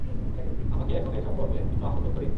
আমাকে এখন ওর সম্পর্কে, কিছু আসল তথ্য দিন।